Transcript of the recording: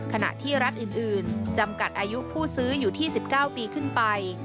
ขณะที่รัฐอื่นจำกัดอายุผู้ซื้ออยู่ที่๑๙ปีขึ้นไป